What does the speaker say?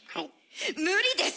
無理です！